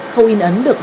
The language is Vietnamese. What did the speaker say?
khâu in ấn được đặt